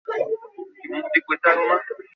আমার চুড়ি খুঁজছি রে ভাই।